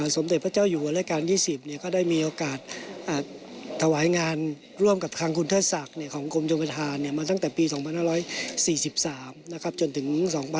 สมเด็จพระเจ้าอยู่หัวราชการ๒๐ก็ได้มีโอกาสถวายงานร่วมกับทางคุณเทิดศักดิ์ของกรมชมประธานมาตั้งแต่ปี๒๕๔๓จนถึง๒๕๖๒